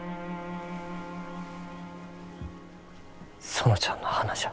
園ちゃんの花じゃ。